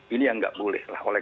ini yang tidak boleh